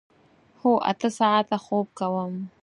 هو، اته ساعته خوب کوم